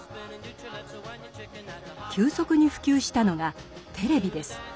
急速に普及したのがテレビです。